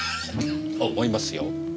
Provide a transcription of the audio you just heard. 思いますよ。